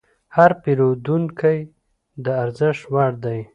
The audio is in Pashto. هر پیرودونکی د ارزښت وړ دی.